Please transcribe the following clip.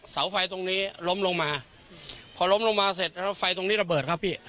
เสาไฟตรงนี้ล้มลงมาพอล้มลงมาเสร็จแล้วไฟตรงนี้ระเบิดครับพี่